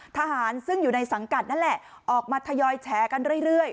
ทหารซึ่งอยู่ในสังกัดนั่นแหละออกมาทยอยแฉกันเรื่อย